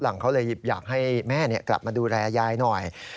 หลังเขาเลยอยากให้แม่กลับมาดูแลยายหน่อย